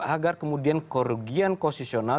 agar kemudian kerugian koosisional